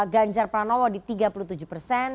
ganjar pranowo di tiga puluh tujuh persen